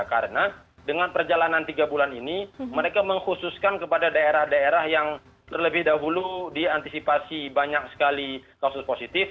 karena dengan perjalanan tiga bulan ini mereka mengkhususkan kepada daerah daerah yang terlebih dahulu diantisipasi banyak sekali kasus positif